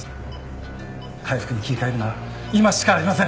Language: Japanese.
開腹に切り替えるなら今しかありません！